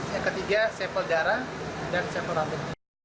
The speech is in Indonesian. yang ketiga sampel darah dan sampel rate